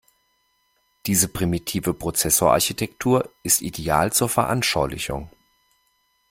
Diese primitive Prozessorarchitektur ist ideal zur Veranschaulichung.